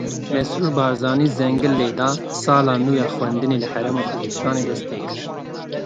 Mesrûr Barzanî zengil lêda; Sala nû ya xwendinê li Herêma Kurdistanê dest pê kir.